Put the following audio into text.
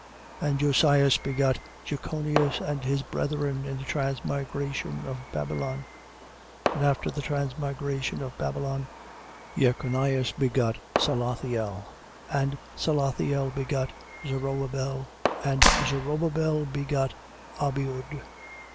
1:11. And Josias begot Jechonias and his brethren in the transmigration of Babylon. 1:12. And after the transmigration of Babylon, Jechonias begot Salathiel. And Salathiel begot Zorobabel. 1:13. And Zorobabel begot Abiud.